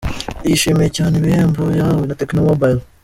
Yishimiye cyane ibihembo yahawe na Tecno Mobile.